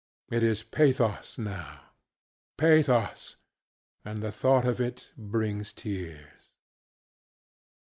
It is pathos, now. Pathos, and the thought of it brings tears.